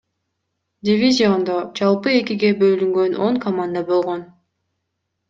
Дивизиондо жалпы экиге бөлүнгөн он команда болгон.